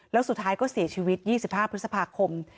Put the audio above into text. แล้วสุดท้ายก็เสียชีวิต๒๕พฤษภาคม